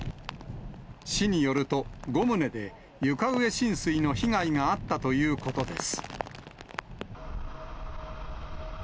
市によると、５棟で床上浸水の被害があったということです。